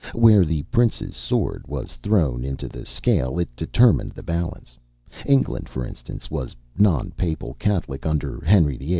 Where the prince's sword was thrown into the scale, it determined the balance. England, for instance, was non papal Catholic under Henry VIII.